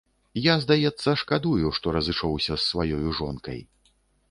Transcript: Я, здаецца, шкадую, што разышоўся з сваёю жонкай.